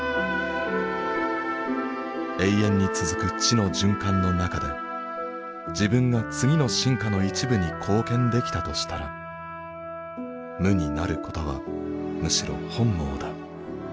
永遠に続く知の循環の中で自分が次の進化の一部に貢献できたとしたら無になることはむしろ本望だ。